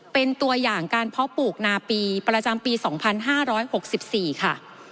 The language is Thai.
เป็นตัวอย่างการเพาะปลูกนาปีประจำปีสองพันห้าร้อยหกสิบสี่ค่ะ